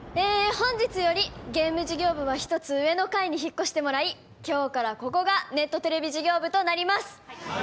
本日よりゲーム事業部は一つ上の階に引っ越してもらい今日からここがネットテレビ事業部となりますはい！